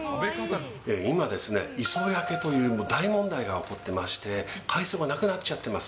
今ですね、磯焼けという大問題が起こってまして、海藻がなくなっちゃってます。